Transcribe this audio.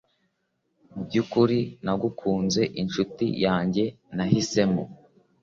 Mubyukuri nagukunze inshuti yanjye nahisemo